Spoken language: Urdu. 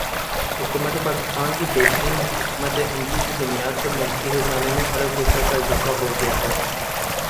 حکومت پاکستان کی بہترین حکمت عملی کی بنیاد پر ملکی خزانے میں ارب روپے کا اضافہ ہوگیا ہے